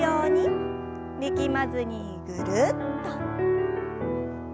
力まずにぐるっと。